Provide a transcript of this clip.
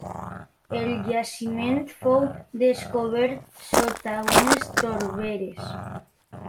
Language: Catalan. El jaciment fou descobert sota unes torberes.